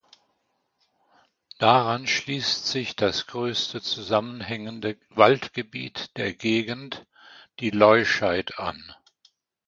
Daran schließt sich das größte zusammenhängende Waldgebiet der Gegend, die Leuscheid, an.